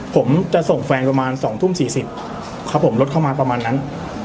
ผมจะส่งแฟนประมาณ๒ทุ่ม๔๐ครับผมรถเข้ามาประมาณนั้น